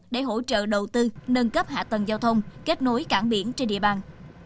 để hỗ trợ đầu tư nâng cấp hạ tầng giao thông kết nối cảng biển trên địa bàn